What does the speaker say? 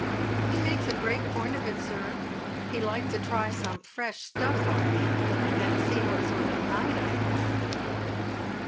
"He makes a great point of it, sir. He likes to try some fresh stuff on me, and then see what sort of night I have."